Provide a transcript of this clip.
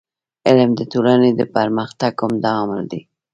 علم د ټولني د پرمختګ عمده عامل دی.